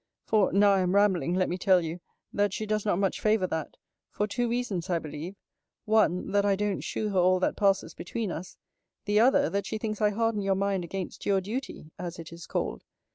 For, now I am rambling, let me tell you, that she does not much favour that; for two reasons, I believe: One, that I don't shew her all that passes between us; the other, that she thinks I harden your mind against your duty, as it is called.